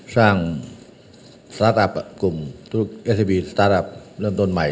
สร้างสตาร์ทอัพกลุ่มสตาร์ทอัพเริ่มต้นใหม่